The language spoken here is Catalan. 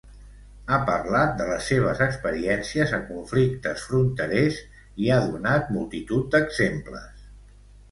Ha parlat de les seves experiències a conflictes fronterers i ha donat multitud d'exemples.